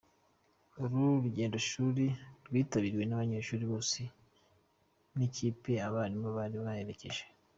Uru rugendoshuri rwitabiriwe n’abanyeshuri bose n’ikipe y’abarimu bari babaherekeje.